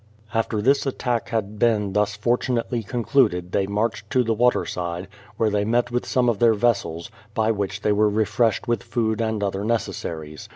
After this attack had been thus fortunately concluded they marched to the waterside, where they met with some of their vessels, by which they were refreshed with food and other necessaries.